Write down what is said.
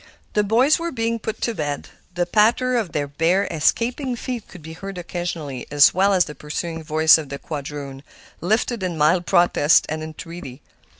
The boys were being put to bed; the patter of their bare, escaping feet could be heard occasionally, as well as the pursuing voice of the quadroon, lifted in mild protest and entreaty.